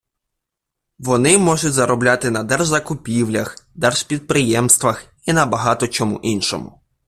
Вони можуть заробляти на держзакупівлях, держпідприємствах і на багато чому іншому.